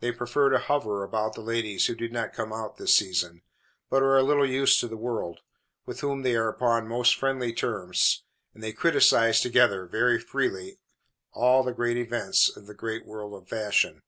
They prefer to hover about the ladies who did not come out this season, but are a little used to the world, with whom they are upon most friendly terms, and they criticize together, very freely, all the great events in the great world of fashion.